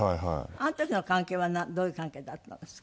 あの時の関係はどういう関係だったんですか？